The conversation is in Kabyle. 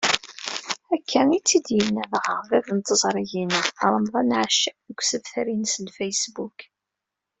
Akka i t-id-yenna dɣa bab n teẓrigin-a, Remḍan Accab, deg usebter-ines n Facebook.